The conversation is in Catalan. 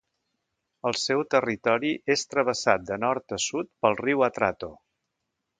El seu territori és travessat de nord a sud pel riu Atrato.